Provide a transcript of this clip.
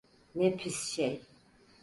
Ne pis şey!